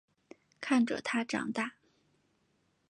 看着他长大